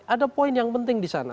ada poin yang penting di sana